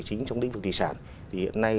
chính trong định vực thị sản thì hiện nay